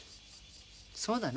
そうだの。